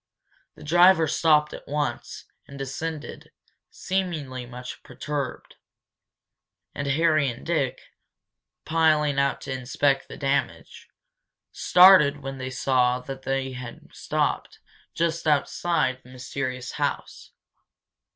The driver stopped at once, and descended, seemingly much perturbed. And Harry and Dick, piling out to inspect the damage, started when they saw that they had stopped just outside the mysterious house.